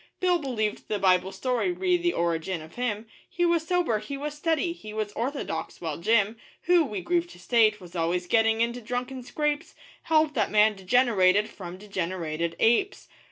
Bill believed the Bible story re the origin of him He was sober, he was steady, he was orthodox; while Jim, Who, we grieve to state, was always getting into drunken scrapes, Held that man degenerated from degenerated apes.